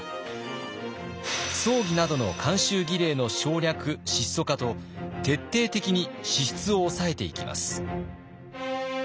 葬儀などの慣習儀礼の省略質素化と徹底的に支出を抑えていきます。